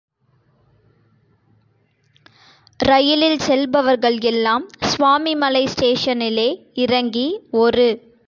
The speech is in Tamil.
ரயிலில் செல்பவர்கள் எல்லாம் சுவாமிமலை ஸ்டேஷனிலே இறங்கி ஒரு.